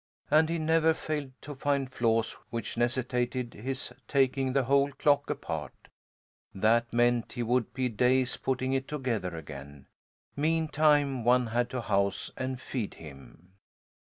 And he never failed to find flaws which necessitated his taking the whole clock apart. That meant he would be days putting it together again. Meantime, one had to house and feed him.